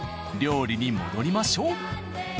料理に戻りましょう。